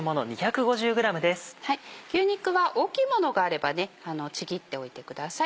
牛肉は大きいものがあればちぎっておいてください。